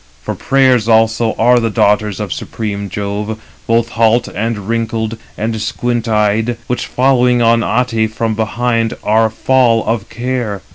For Prayers also are the daughters of supreme Jove, 317 both halt, and wrinkled, and squint eyed; which following on Ate from behind, are full of care.